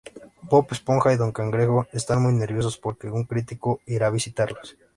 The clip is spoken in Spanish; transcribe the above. Bob Esponja y Don Cangrejo están muy nerviosos porque un crítico irá a visitarlos.